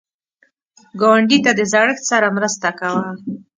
ګاونډي ته د زړښت سره مرسته کوه